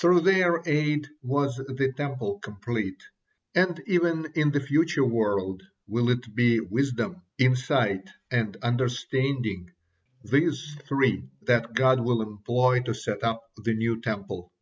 Through their aid was the Temple complete, and even in the future world will it be wisdom, insight, and understanding, these three that God will employ to set up the new Temple.